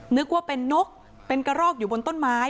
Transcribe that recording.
นึกว่าเป็นนกเป็นกระรอกอยู่บนต้นไม้